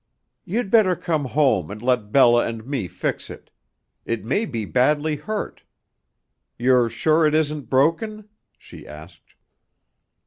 "You'd better come home and let Bella and me fix it. It may be badly hurt. You're sure it isn't broken?" she asked.